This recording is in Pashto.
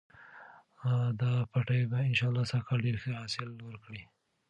دا پټی به انشاالله سږکال ډېر ښه حاصل ورکړي.